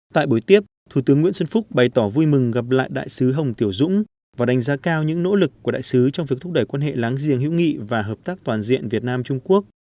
tại buổi tiếp thủ tướng nguyễn xuân phúc bày tỏ vui mừng gặp lại đại sứ hồng tiểu dũng và đánh giá cao những nỗ lực của đại sứ trong việc thúc đẩy quan hệ láng giềng hữu nghị và hợp tác toàn diện việt nam trung quốc